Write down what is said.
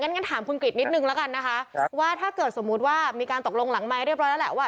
งั้นถามคุณกริจนิดนึงแล้วกันนะคะว่าถ้าเกิดสมมุติว่ามีการตกลงหลังไม้เรียบร้อยแล้วแหละว่า